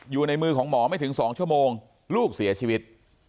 อยู่ในมือของหมอไม่ถึง๒ชั่วโมงลูกเสียชีวิต